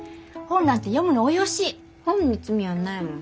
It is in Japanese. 本に罪はないもん。